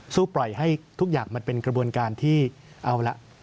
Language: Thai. ปล่อยให้ทุกอย่างมันเป็นกระบวนการที่เอาละ